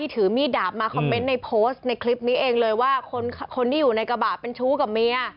ถือมิดดาบยาวข่มครูคนขับรถกระบะครับ